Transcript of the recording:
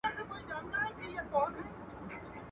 کټو په درې چلي ماتېږي.